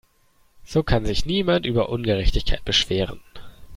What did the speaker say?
So kann sich niemand über Ungerechtigkeit beschweren.